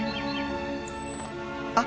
あっ！